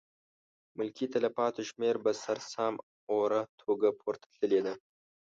ملکي تلفاتو شمېره په سر سام اوره توګه پورته تللې ده.